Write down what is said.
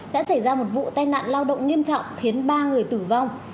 đã xảy ra một vụ tai nạn lao động nghiêm trọng khiến ba người tử vong